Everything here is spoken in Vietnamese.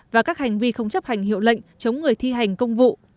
và các hành vi không chấp hành hiệu lệnh chống người thi hành công vụ